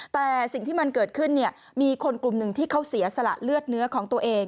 แต่สิ่งที่มันเกิดขึ้นมีคนกลุ่มหนึ่งที่เขาเสียสละเลือดเนื้อของตัวเอง